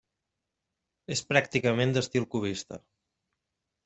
És pràcticament d'estil cubista.